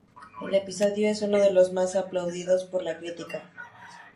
El episodio es uno de los más aplaudidos por la crítica.